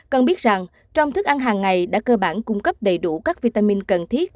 cần biết rằng trong thức ăn hàng ngày đã cơ bản cung cấp đầy đủ các vitamin cần thiết